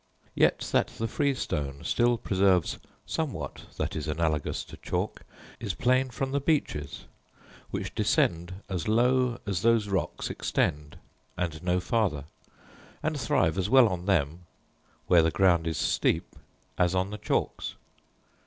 Yet that the freestone still preserves somewhat that is analogous to chalk, is plain from the beeches which descend as low as those rocks extend, and no farther, and thrive as well on them, where the ground is steep, as on the chalks.